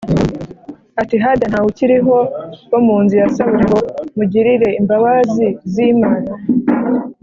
ati “Harya nta wukiriho wo mu nzu ya Sawuli ngo mugirire imbabazi z’Imana?”